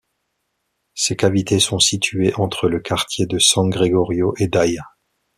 Ses cavités sont situées entre le quartier de San Gregorio et d'Aia.